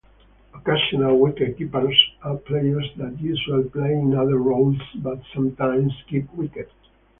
Occasional wicket-keepers are players that usually play in other roles but sometimes keep wicket.